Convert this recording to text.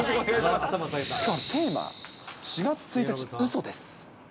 きょうはテーマ４月１日、うそです。